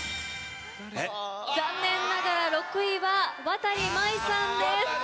残念ながら６位は渡万依さんです。